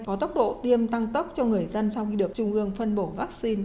có tốc độ tiêm tăng tốc cho người dân sau khi được trung ương phân bổ vaccine